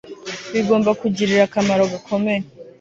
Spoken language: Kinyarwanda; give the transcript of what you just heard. bigomba kugirira akamaro gakomeye